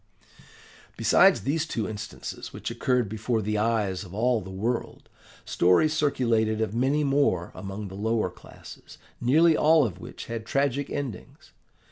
"Besides these two instances which occurred before the eyes of all the world, stories circulated of many more among the lower classes, nearly all of which had tragic endings.